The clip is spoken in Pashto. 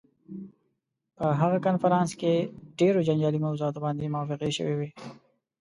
په هغه کنفرانس کې ډېرو جنجالي موضوعاتو باندې موافقې شوې وې.